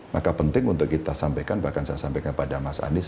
maka penting untuk kita sampaikan bahkan saya sampaikan kepada mas anies